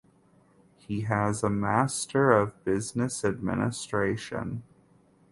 He has an Master of Business Administration.